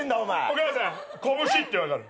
お母さん拳って分かる？